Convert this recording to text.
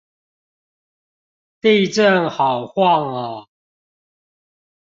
地震好晃喔